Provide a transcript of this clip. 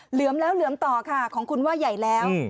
เหลือมแล้วเหลือมต่อค่ะของคุณว่าใหญ่แล้ว